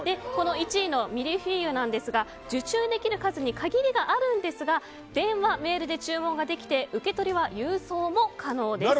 １位のミルフィーユなんですが受注できる数に限りがあるんですが電話、メールで注文ができて受け取りは郵送も可能です。